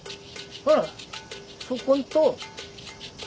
ほらそこんと。